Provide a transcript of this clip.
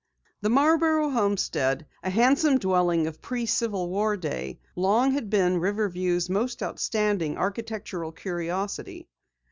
The Marborough homestead, a handsome dwelling of pre Civil war day, long had been Riverview's most outstanding architectural curiosity.